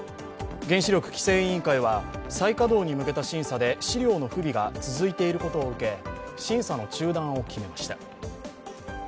原子力規制委員会は再稼働に向けた審査で資料の不備が続いていることを受け、審査の中断を決めました。